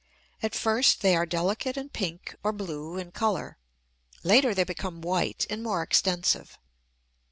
At first they are delicate and pink or blue in color; later they become white and more extensive.